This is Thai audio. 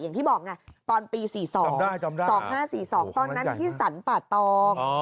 อย่างที่บอกไงตอนปี๔๒๒๕๔๒ตอนนั้นที่สรรป่าตอง